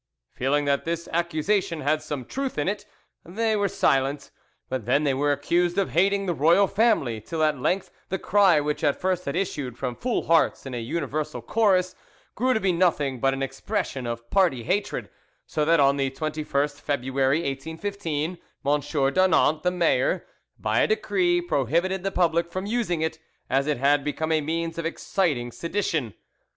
Feeling that this accusation had some truth in it, they were silent, but then they were accused of hating the royal family, till at length the cry which at first had issued from full hearts in a universal chorus grew to be nothing but an expression of party hatred, so that on the 21st February, 1815, M. Daunant the mayor, by a decree, prohibited the public from using it, as it had become a means of exciting sedition.